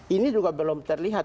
ini juga belum terlihat